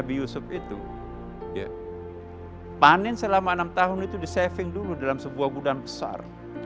nabi yusuf itu panin selama enam tahun itu disaving dulu dalam sebuah budan besar